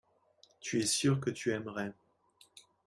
tu es sûr que tu aimerais.